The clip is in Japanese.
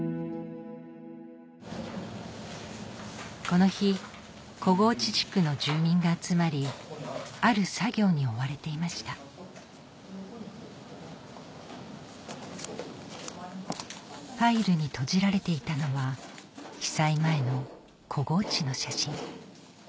この日小河内地区の住民が集まりある作業に追われていましたファイルにとじられていたのは被災前の小河内の写真